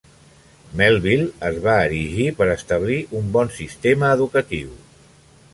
Melville es va erigir per establir un bon sistema educatiu.